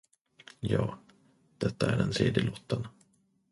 Ja, detta är den tredje lotten.